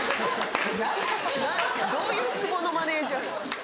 どういうツボのマネジャー？